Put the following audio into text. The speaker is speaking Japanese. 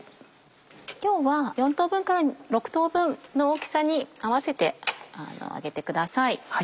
今日は４等分から６等分の大きさに合わせて揚げてください。